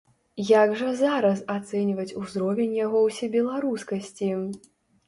Як жа зараз ацэньваць узровень яго ўсебеларускасці?